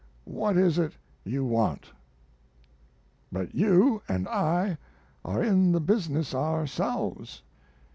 What is it you want?" But you and I are in the business ourselves.